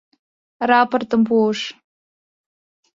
Рапортым пуыш.